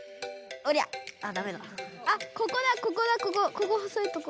ここ細いとこ。